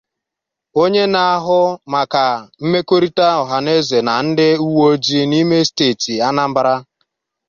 Onye na-ahụ maka mmekọrịta ọhaneze na ndị uweojii n'ime steeti Anambra